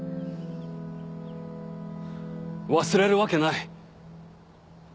忘れるわけない。